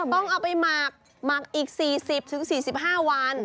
ต้องเอาไปหมักหมักอีก๔๐๔๕วัน